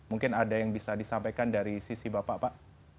mungkin ada yang bisa disampaikan dari sisi bapak pak